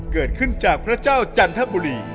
เกิดขึ้นจากพระเจ้าจันทบุรี